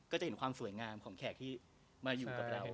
จะเห็นความสวยงามของแขกที่มาอยู่กับเรา